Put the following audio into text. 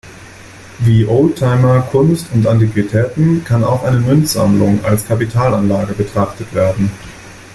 Wie Oldtimer, Kunst und Antiquitäten kann auch eine Münzsammlung als Kapitalanlage betrachtet werden.